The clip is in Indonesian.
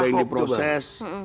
ada yang diproses